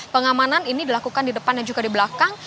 pengamanan ini dilakukan di depan dan juga di belakang